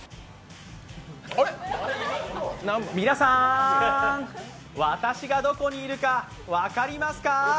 皆さん、私がどこにいるか分かりますか？